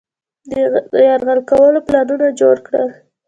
د یرغل کولو پلانونه جوړ کړل.